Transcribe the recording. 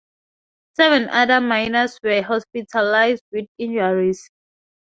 Seven other miners were hospitalised with injuries.